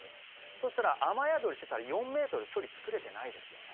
そしたら雨宿りしてたら４ｍ、距離作れてないですよね。